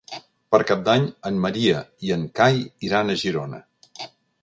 Per Cap d'Any en Maria i en Cai iran a Girona.